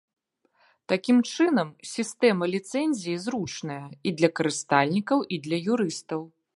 Такім чынам, сістэма ліцэнзій зручная і для карыстальнікаў, і для юрыстаў.